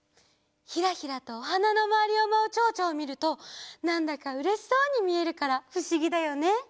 ひらひらとおはなのまわりをまうちょうちょをみるとなんだかうれしそうにみえるからふしぎだよね。